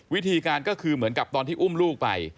วิธีการก็คือเหมือนกับตอนที่อุ้มลูกไป